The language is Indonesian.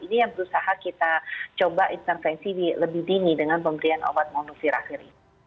ini yang berusaha kita coba intervensi lebih dini dengan pemberian obat molnuviravir ini